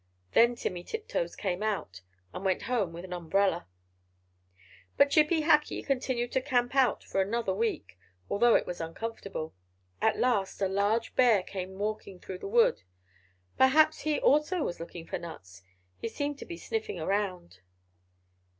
Then Timmy Tiptoes came out, and went home with an umbrella. But Chippy Hackee continued to camp out for another week, although it was uncomfortable. At last a large bear came walking through the wood. Perhaps he also was looking for nuts; he seemed to be sniffing around.